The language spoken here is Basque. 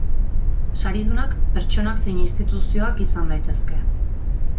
Saridunak pertsonak zein instituzioak izan daitezke.